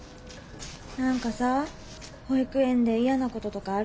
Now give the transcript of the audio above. なんかさ保育園で嫌なこととかある？